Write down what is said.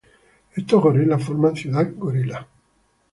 Estos gorila forman Ciudad Gorila.